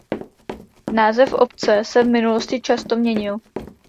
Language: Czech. Název obce se v minulosti často měnil.